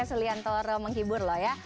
pak seliantoro menghibur loh ya